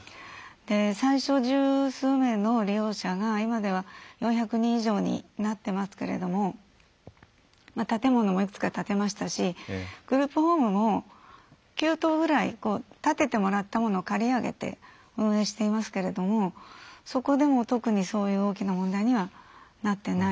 最初、十数名の利用者が今では４００人以上になってますけれども建物もいくつか建てましたしグループホームも９棟ぐらい建ててもらったものを借り上げて運営していますけれどもそこでも特に大きな問題にはなっていない。